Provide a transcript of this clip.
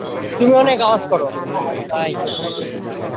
তুমি অনেক আওয়াজ করো, তাই।